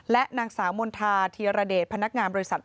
และนางสาวมณฑาธีรเดชพนักงานบริษัท